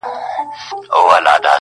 له ځانه بېل سومه له ځانه څه سېوا يمه زه~